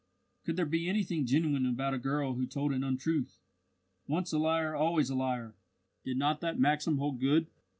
Could there be anything genuine about a girl who told an untruth? Once a liar always a liar! Did not that maxim hold good?